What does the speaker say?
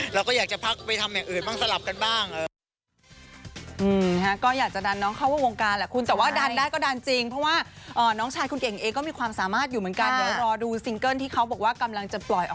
เราก็อยากจะพักไปทำอย่างอื่นบ้างสลับกันบ้าง